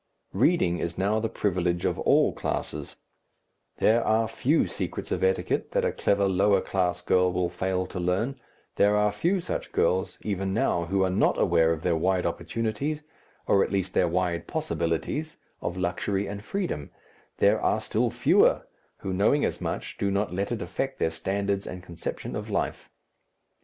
Reading is now the privilege of all classes, there are few secrets of etiquette that a clever lower class girl will fail to learn, there are few such girls, even now, who are not aware of their wide opportunities, or at least their wide possibilities, of luxury and freedom, there are still fewer who, knowing as much, do not let it affect their standards and conception of life.